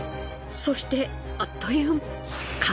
そしてあっという間に。